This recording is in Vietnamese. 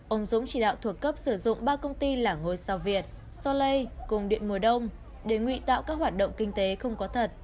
ông dũng chỉ đạo thuộc cấp sử dụng ba công ty là ngôi sao việt solei cùng điện mùa đông để ngụy tạo các hoạt động kinh tế không có thật